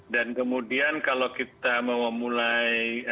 dan kemudian kalau kita mau mulai